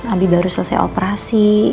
abi baru selesai operasi